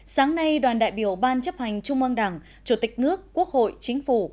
sáng nay đoàn đại biểu ban chấp hành trung ương đảng chủ tịch nước quốc hội chính phủ